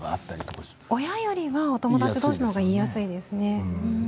親よりは子どもたちのほうが言いやすいですね。